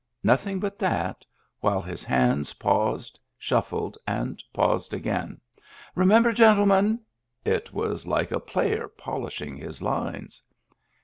Nothing but that, while his hands paused, shuffled, and paused again. " Remember, gentlemen —" It was like a player polishing his lines.